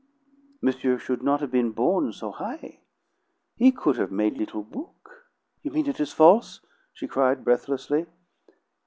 "Monsieur should not have been born so high. He could have made little book'." "You mean it is false?" she cried breathlessly.